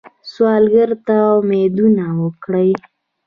سوالګر ته امیدونه ورکوئ